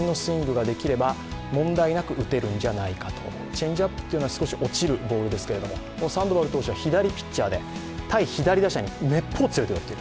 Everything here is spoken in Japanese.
チェンジアップというのは少し落ちるボールですけれどもサンドバル投手は左ピッチャーで、対左バッターにめっぽう強いという。